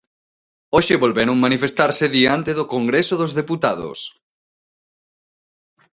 Hoxe volveron manifestarse diante do Congreso dos Deputados.